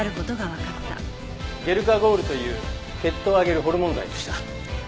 ゲルカゴールという血糖を上げるホルモン剤でした。